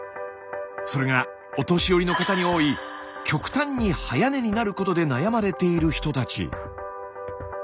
それがお年寄りの方に多い極端に早寝になることで悩まれている人たち。